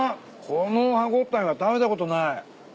この歯応えは食べたことない。